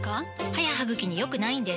歯や歯ぐきに良くないんです